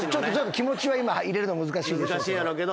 気持ちは今入れるの難しいでしょうけど。